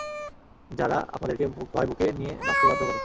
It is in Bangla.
যারা আপনাদেরকে ভয় বুকে নিয়ে বাঁচতে বাধ্য করে!